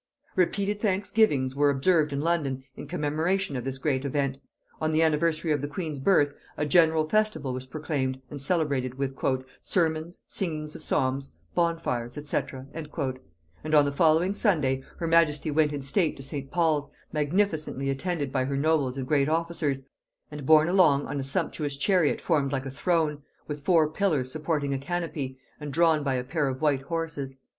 Repeated thanksgivings were observed in London in commemoration of this great event: on the anniversary of the queen's birth a general festival was proclaimed and celebrated with "sermons, singing of psalms, bonfires, &c." and on the following Sunday her majesty went in state to St. Paul's, magnificently attended by her nobles and great officers, and borne along on a sumptuous chariot formed like a throne, with four pillars supporting a canopy, and drawn by a pair of white horses.